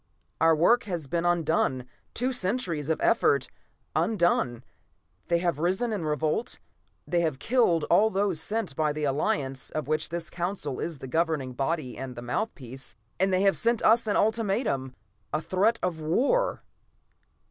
Our work has been undone. Two centuries of effort undone. They have risen in revolt, they have killed all those sent by the Alliance of which this Council is the governing body and the mouthpiece, and they have sent us an ultimatum a threat of war!"